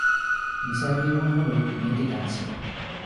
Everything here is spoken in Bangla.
নিসার আলির মনে হল, মেয়েটি কাঁদছে।